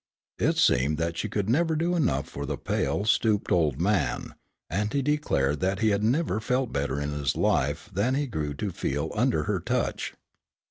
It seemed that she could never do enough for the pale, stooped old man, and he declared that he had never felt better in his life than he grew to feel under her touch.